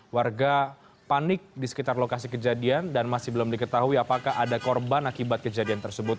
warga panik di sekitar lokasi kejadian dan masih belum diketahui apakah ada korban akibat kejadian tersebut